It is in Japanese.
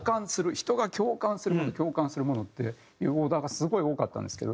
人が共感するもの共感するものっていうオーダーがすごい多かったんですけど。